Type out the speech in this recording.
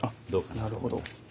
なるほど。